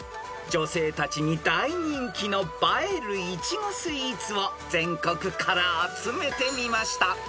［女性たちに大人気の映えるイチゴスイーツを全国から集めてみました］